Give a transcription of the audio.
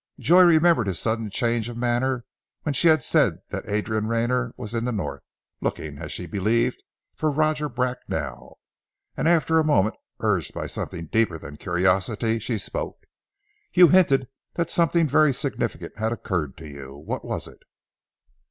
Joy remembered his sudden change of manner when she had said that Adrian Rayner was in the North, looking, as she believed for Roger Bracknell, and after a moment, urged by something deeper than curiosity, she spoke, "You hinted that something very significant had occurred to you. What was it?"